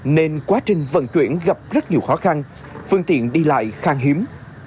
nên quá trình vận chuyển gặp rất nhiều khó khăn phương tiện đi lại khang hiếm